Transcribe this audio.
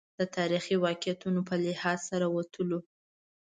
د تاریخي واقعیتونو په لحاظ سره وتلو.